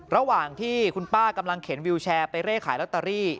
ระหว่างที่คุณป้ากำลังเข็นวิวแชร์ไปเร่ขายลอตเตอรี่